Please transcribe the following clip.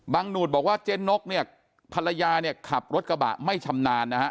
หนูดบอกว่าเจ๊นกเนี่ยภรรยาเนี่ยขับรถกระบะไม่ชำนาญนะฮะ